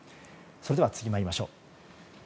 それでは次、参りましょう。